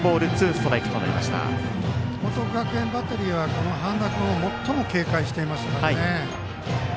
報徳学園バッテリーは半田君を最も警戒していましたからね。